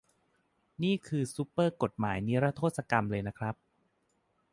นี่คือซูเปอร์กฎหมายนิรโทษกรรมเลยนะครับ